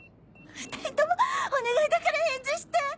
２人ともお願いだから返事して！